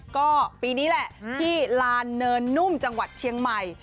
ก็ปีนี้แหละที่ลานเนินนุ่มจังหวัดเชียงใหม่